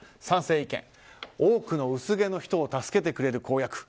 賛成意見、多くの薄毛の人を助けてくれる公約。